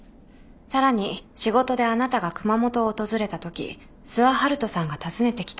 さらに仕事であなたが熊本を訪れたとき諏訪遙人さんが訪ねてきた。